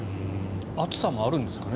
熱さもあるんですかね